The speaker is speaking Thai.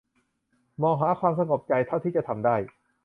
มองหาความสงบใจเท่าที่จะทำได้